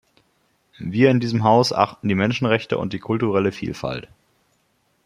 Wir in diesem Haus achten die Menschenrechte und die kulturelle Vielfalt.